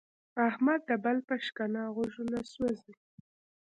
احمد د بل په شکنه غوږونه سوزي.